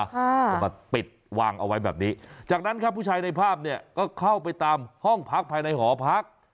เอามาปิดวางเอาไว้แบบนี้จากนั้นครับผู้ชายในภาพเนี่ยก็เข้าไปตามห้องพักภายในหอพัก